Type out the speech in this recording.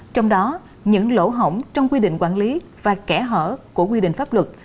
trong đó những lỗ hỏng trong quy định quản lý và kẻ hở của quy định pháp luật